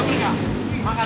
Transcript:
makan makan makan